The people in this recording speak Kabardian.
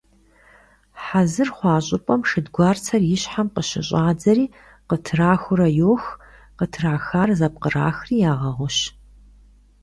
Хьэзыр хъуа щӀыпӀэм шэдгуарцэр и щхьэм къыщыщӏадзэри къытрахыурэ йох, къытрахар зэпкърахри ягъэгъущ.